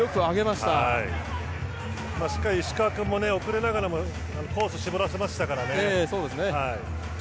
しっかり石川君も遅れながらもコースを絞らせましたからね。